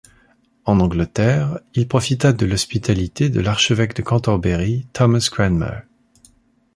En Angleterre, il profita de l'hospitalité de l'archevêque de Cantorbéry, Thomas Cranmer.